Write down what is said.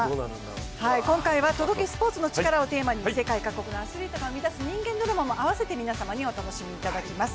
今回は「届け、スポーツのチカラ」のテーマに、世界各国のアスリートが生み出す人間ドラマも、併せて皆様にお楽しみいただきます。